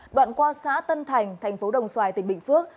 đoạn qua xã tân thành thành phố đồng xoài tỉnh bình phước